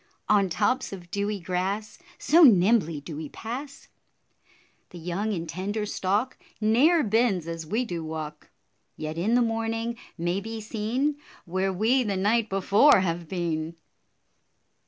On tops of dewy grass So nimbly do we pass, The young and tender stalk Ne'er bends as we do walk; Yet in the morning may be seen Where we the night before have been.